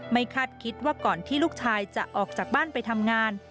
คาดคิดว่าก่อนที่ลูกชายจะออกจากบ้านไปทำงาน